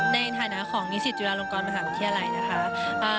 ในฐานะของนิสิตจุฬาลงกรมหาวิทยาลัยนะคะ